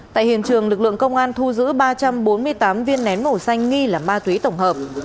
tại hiện trường lực lượng công an thu giữ ba trăm bốn mươi tám viên nén màu xanh nghi là ma túy tổng hợp